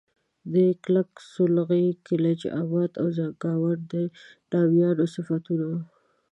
د کُلک، سولغی، کلچ آباد او زنګاوات د نامیانو صفتونه وو.